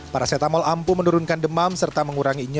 paracetamol ampuh menurunkan demam serta mengurangi kemampuan